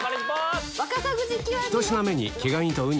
１品目に毛ガニとウニ